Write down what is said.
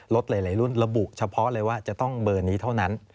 หลายรุ่นระบุเฉพาะเลยว่าจะต้องเบอร์นี้เท่านั้น